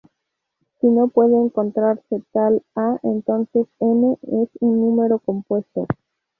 Si no puede encontrarse tal "a", entonces "n" es un número compuesto.